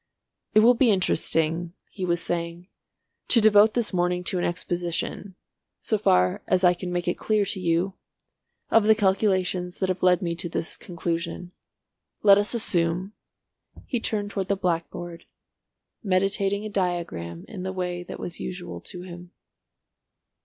"It will be interesting," he was saying, "to devote this morning to an exposition, so far as I can make it clear to you, of the calculations that have led me to this conclusion. Let us assume—" He turned towards the blackboard, meditating a diagram in the way that was usual to him.